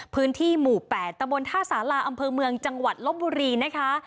พื้นที่หมู่๘ตะบนท่าสาราอำเภอเมืองจังหวัดลบบุรีนะคะ